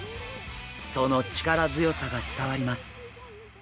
その力強さが伝わります。